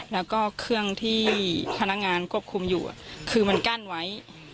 แล้วก็เครื่องที่พนักงานควบคุมอยู่คือมันกั้นไว้